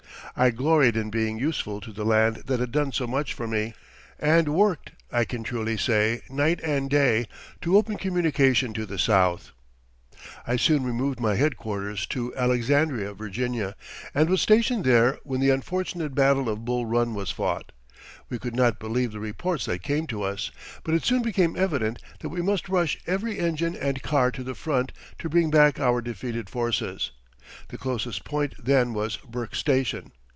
I gloried in being useful to the land that had done so much for me, and worked, I can truly say, night and day, to open communication to the South. I soon removed my headquarters to Alexandria, Virginia, and was stationed there when the unfortunate battle of Bull Run was fought. We could not believe the reports that came to us, but it soon became evident that we must rush every engine and car to the front to bring back our defeated forces. The closest point then was Burke Station.